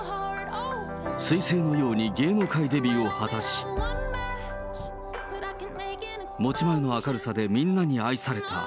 すい星のように芸能界デビューを果たし、持ち前の明るさでみんなに愛された。